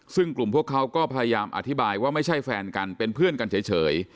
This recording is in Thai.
ซึ่งกลุ่มพวกเขาก็พยายามอธิบายว่าไม่ใช่แฟนกันเป็นเพื่อนกันเฉย